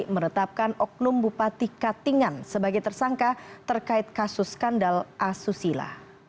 menetapkan oknum bupati katingan sebagai tersangka terkait kasus skandal asusila